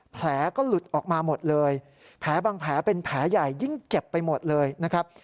แผลก็หลุดออกมาหมดเลยแผลบางแผลเป็นแผลใหญ่ยิ่งเจ็บไปหมดเลยนะครับ